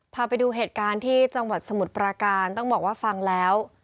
พาไปดูเหตุการณ์ที่จังหวัดสมุทรปราการต้องบอกว่าฟังแล้ว